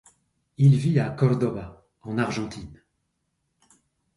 Il vit à Córdoba, en Argentine.